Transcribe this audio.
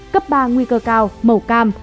cấp ba nguy cơ cao màu cam